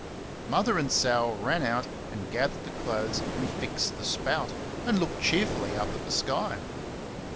Mother and Sal ran out and gathered the clothes, and fixed the spout, and looked cheerfully up at the sky.